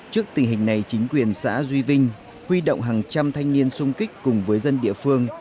trước tình hình này chính quyền xã duy vinh huy động hàng trăm thanh niên sung kích cùng với dân địa phương